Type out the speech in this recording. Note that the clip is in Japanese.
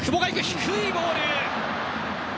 低いボール！